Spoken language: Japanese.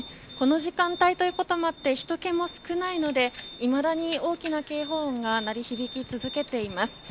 この時間帯ということもあってひと気も少ないのでいまだに大きな警報音が鳴り響き続けています。